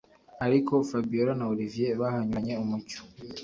ariko fabiora na olivier bahanyuranye umucyo.